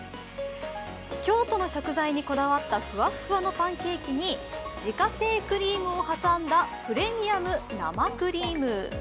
京都の食材にこだわったふわっふわのパンケーキに自家製クリームを挟んだプレミアム生クリーム。